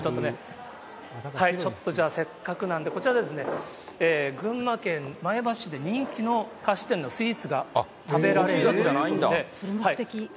ちょっとね、せっかくなんで、こちらでですね、群馬県前橋で人気の菓子店のスイーツが食べられるということで。